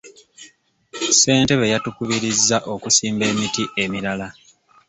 Ssentebe yatukubirizza okusimba emiti emirala.